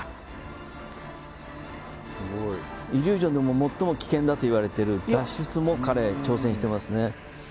イリュージョンでも最も危険だといわれている脱出も彼は挑戦していますね。